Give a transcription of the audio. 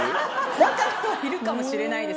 中にはいるかもしれないです。